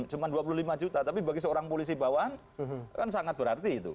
cuma dua puluh lima juta tapi bagi seorang polisi bawahan kan sangat berarti itu